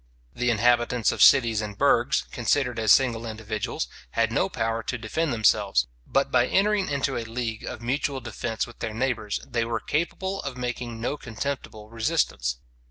The inhabitants of cities and burghs, considered as single individuals, had no power to defend themselves; but by entering into a league of mutual defence with their neighbours, they were capable of making no contemptible resistance.